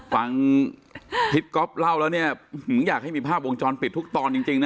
ฟังพี่ก๊อฟเล่าแล้วเนี่ยอยากให้มีภาพวงจรปิดทุกตอนจริงนะ